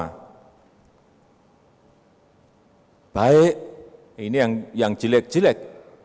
nah baik ini yang jelek jelek